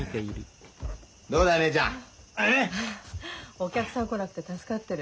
お客さん来なくて助かってる。